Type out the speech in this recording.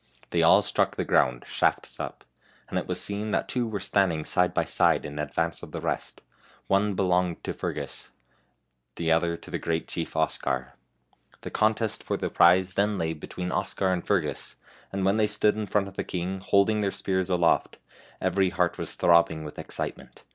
They all struck the ground, shafts up, and it was seen that two were standing side by side in advance of the rest, one belonged to Fergus, the other to the great chief, Oscar. The contest for the prize then lay between Oscar and Fergus, and when they stood in front of the king, holding their spears aloft, every heart was throbbing with excitement.